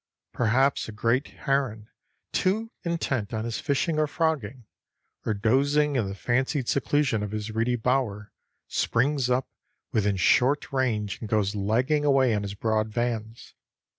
Perhaps a great heron too intent on his fishing or frogging, or dozing in the fancied seclusion of his reedy bower, springs up within short range and goes lagging away on his broad vans.